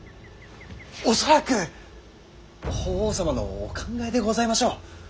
恐らく法皇様のお考えでございましょう。